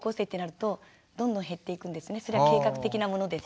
それは計画的なものです。